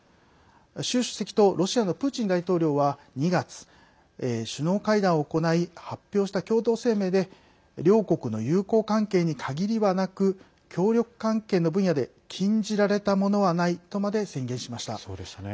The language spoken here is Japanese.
習主席とロシアのプーチン大統領は２月、首脳会談を行い発表した共同声明で両国の友好関係に限りはなく協力関係の分野で禁じられたものはないとまで宣言しました。